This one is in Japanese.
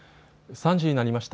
３時になりました。